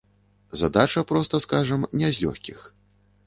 Задача, проста скажам, не з лёгкіх.